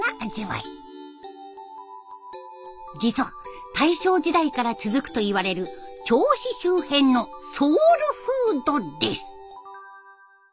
実は大正時代から続くといわれる銚子周辺のソウルフードです。